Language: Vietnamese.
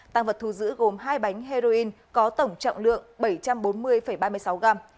tăng vật thu giữ gồm hai bánh heroin có tổng trọng lượng bảy trăm bốn mươi ba mươi sáu gram